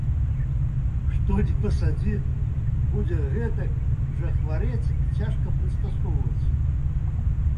Што ні пасадзі, будзе гэтак жа хварэць і цяжка прыстасоўвацца.